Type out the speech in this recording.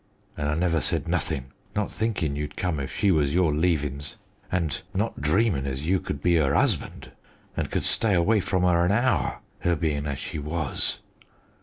And I never said nothin' not thinkin' you'd come if she was your leavins, and not dreamin' as you could be 'er husband an' could stay away from 'er a hour her bein' as she was.